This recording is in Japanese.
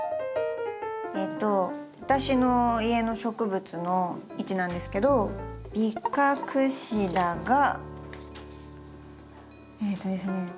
えと私の家の植物の位置なんですけどビカクシダがえとですね